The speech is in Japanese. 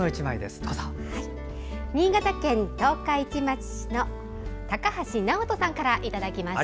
新潟県十日町市の高橋直人さんからいただきました